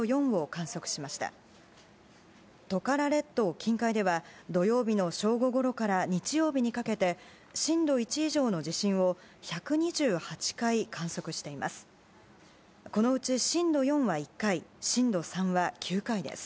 近海では土曜日の正午ごろから日曜日にかけて震度１以上の地震を１２８回観測しています。